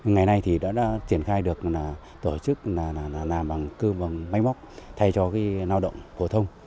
ngày nay thì đã triển khai được là tổ chức là làm bằng cơ bằng máy móc thay cho cái lao động hộ thông